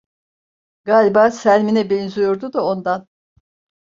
Galiba Selmin'e benziyordu da ondan...